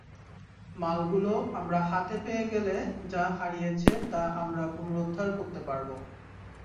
মালগুলো আমরা হাতে পেয়ে গেলে যা হারিয়েছে তা আমরা পুনরুদ্ধার করতে পারব।